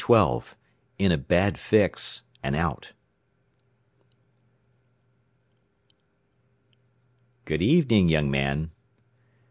XII IN A BAD FIX, AND OUT "Good evening, young man!"